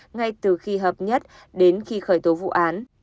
ngay từ khi hợp nhất đến khi khởi tố vụ án